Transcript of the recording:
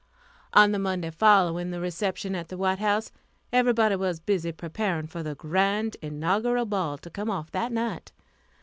On the Monday following the reception at the White House, everybody was busy preparing for the grand inaugural ball to come off that night.